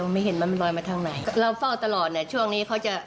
ไม่รู้คนไท่